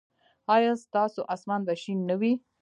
ایا ستاسو اسمان به شین نه وي؟